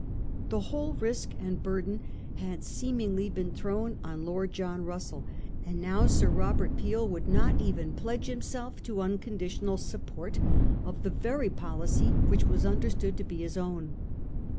The whole risk and burden had seemingly been thrown on Lord John Russell ; and now Sir Robert Peel would not even pledge himself to unconditional sup port of the very policy which was understood to be his own.